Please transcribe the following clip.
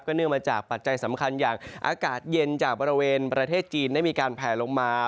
เนื่องมาจากปัจจัยสำคัญอย่างอากาศเย็นจากบริเวณประเทศจีนได้มีการแผลลงมา